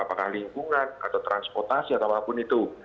apakah lingkungan atau transportasi atau apapun itu